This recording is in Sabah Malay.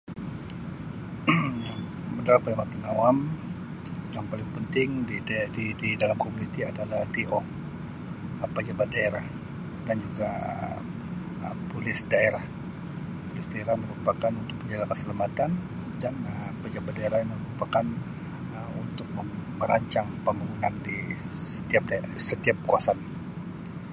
yan-kemudahan perkhidmatan awam yang paling penting di dae-di-di dalam komuniti adalah D.O, Um pejabat daerah dan juga Um polis daerah. Polis daerah merupakan untuk menjaga keselamatan kemudian pejabat daerah merupakan Um untuk mem-merancang pembangunan di setiap dae- setiap kawasan.